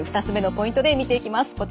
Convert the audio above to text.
２つ目のポイントで見ていきます。